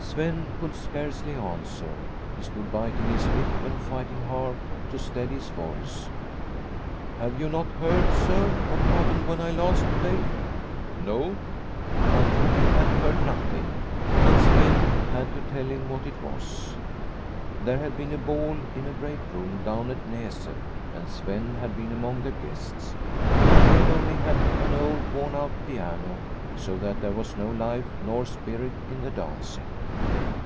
Sven could scarcely answer. He stood biting his lip and fighting hard to steady his voice. " Have you not heard, sir, what happened when I last played ?" No ; Altringer had heard nothing; and Sven had to tell what it was. There had been a ball in a great room down at Naset, and Sven had been among the guests. But they had only had an old, worn The Smith from Henriksberg 167 out piano, so that there was no life nor spirit in the dancing.